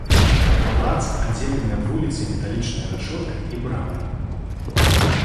Палац аддзелены ад вуліцы металічнай рашоткай і брамай.